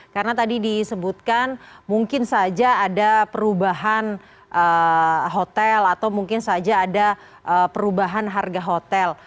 karena tadi disebutkan mungkin saja ada perubahan hotel atau mungkin saja ada perubahan harga hotel